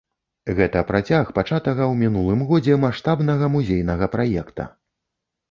Гэта працяг пачатага ў мінулым годзе маштабнага музейнага праекта.